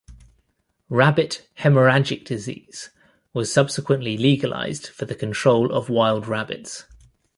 Rabbit hemorrhagic disease was subsequently legalised for the control of wild rabbits.